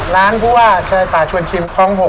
ร้านพูดว่าชายป่าชวนชิมคล้อง๖